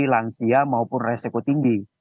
lansia maupun resiko tinggi